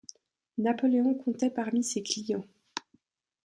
Napoléon comptait parmi ses clients.